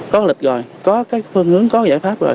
có lịch rồi có cái phương hướng có giải pháp rồi